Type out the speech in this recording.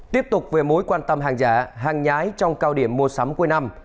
tiếp tục về mối quan tâm hàng giả hàng nhái trong cao điểm mua sắm cuối năm